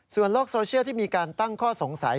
โลกโซเชียลที่มีการตั้งข้อสงสัย